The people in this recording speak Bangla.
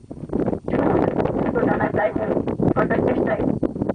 সূত্র জানায়, প্রায় দেড় ঘণ্টার চেষ্টায় ফায়ার সার্ভিসের কর্মীরা আগুন নেভাতে সক্ষম হন।